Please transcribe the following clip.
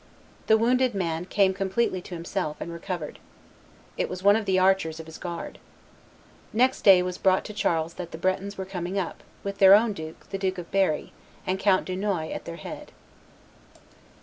The wounded man came completely to himself, and recovered. It was one of the archers of his guard. Next day news was brought to Charles that the Bretons were coming up, with their own duke, the Duke of Berry, and Count Dunois at their head.